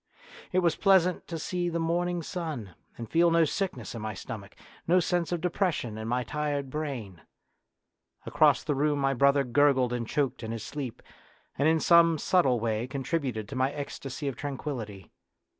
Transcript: It was pleasant to see the morning sun and feel no sickness in my stomach, no sense of depression in my tired brain. Across the room my brother gurgled and choked in his sleep, and in some subtle way contributed to my ecstasy of tran quillity.